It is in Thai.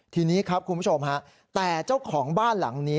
ทีนี้ครับคุณผู้ชมฮะแต่เจ้าของบ้านหลังนี้